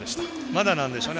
まだなんでしょうね。